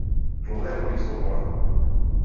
Dlouhé nohy jsou holé.